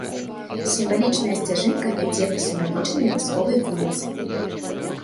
Сімвалічная сцяжынка вядзе па сімвалічнай вясковай вуліцы.